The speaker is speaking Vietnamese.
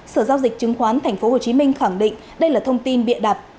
sở giao dịch chứng khoán tp hcm khẳng định đây là thông tin bịa đặt